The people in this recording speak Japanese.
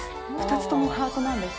２つともハートです。